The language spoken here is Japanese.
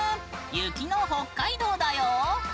雪の北海道だよ。